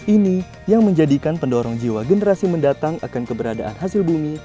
ini yang menjadikan pendorong jiwa generasi mendatang akan keberadaan hasil bumi